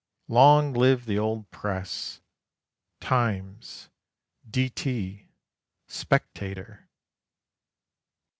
Long live the old Press "Times," "D. T.," "Spectator"!